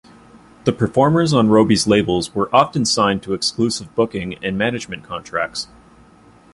The performers on Robey's labels were often signed to exclusive booking and management contracts.